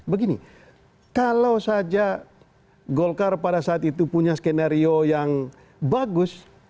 begini kalau saja golkar pada saat itu punya skenario yang bagus